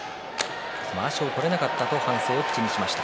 まわしを取れなかったと反省を口にしていました。